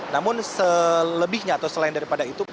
namun selebihnya atau selain daripada itu